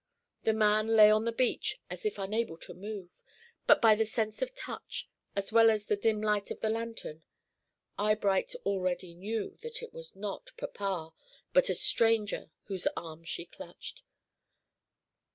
The man lay on the beach as if unable to move, but by the sense of touch, as well as the dim light of the lantern, Eyebright already knew that it was not papa, but a stranger, whose arm she clutched.